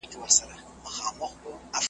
نو له کومه یې پیدا کړل دا طلاوي جایدادونه .